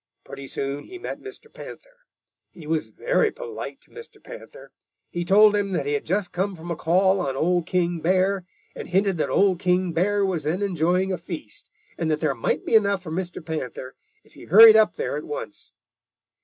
Pretty soon he met Mr. Panther. He was very polite to Mr. Panther. He told him that he had just come from a call on Old King Bear, and hinted that Old King Bear was then enjoying a feast and that there might be enough for Mr. Panther, if he hurried up there at once.